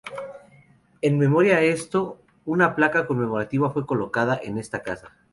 En memoria a esto, una placa conmemorativa fue colocada en esta casa.